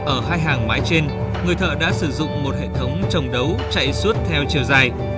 ở hai hàng mãi trên người thợ đã sử dụng một hệ thống trồng đấu chạy suốt theo chiều dài